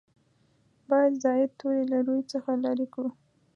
باید زاید توري له روي څخه لرې کړو.